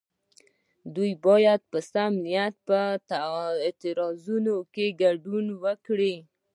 دوی باید په سم نیت په اعتراضونو کې ګډون وکړي.